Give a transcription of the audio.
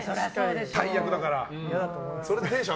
大役だから。